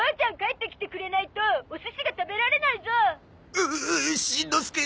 ううっしんのすけ。